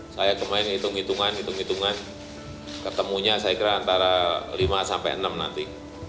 saya kemarin hitung hitungan hitung hitungan ketemunya saya kira antara lima sampai enam nanti